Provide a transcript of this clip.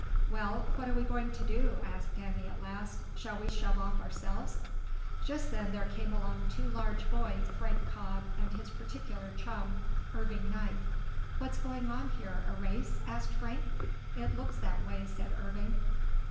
"Well, what are we going to do?" asked Danny at last. "Shall we shove off ourselves?" Just then there came along two large boys, Frank Cobb, and his particular chum, Irving Knight. "What's going on here; a race?" asked Frank. "It looks that way," said Irving.